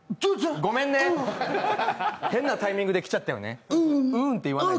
ごめんね、変なタイミングで来ちゃったよね。